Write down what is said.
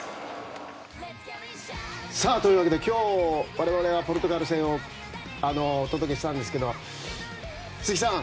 というわけで、今日我々はポルトガル戦をお届けしましたが鈴木さん